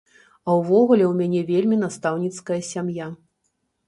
А ўвогуле, у мяне вельмі настаўніцкая сям'я.